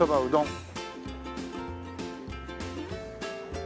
「藤うどん」！？